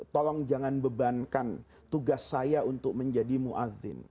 tolong jangan bebankan tugas saya untuk menjadi mu'adhin